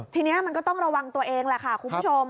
ทีนี้มันก็ต้องระวังตัวเองแหละค่ะคุณผู้ชม